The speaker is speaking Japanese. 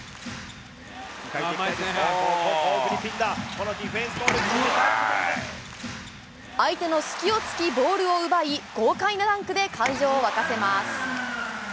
コー・フリッピンだ、このデ相手の隙をつき、ボールを奪い、豪快なダンクで会場を沸かせます。